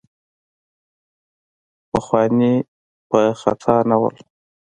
پخواني پر خطا نه وو.